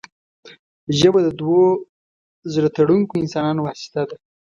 ژبه د دوو زړه تړونکو انسانانو واسطه ده